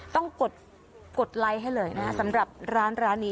กดไลค์ให้เลยนะสำหรับร้านนี้